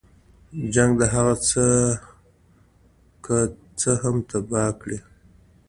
جنګ د هغه څه که څه هم تباه کړي.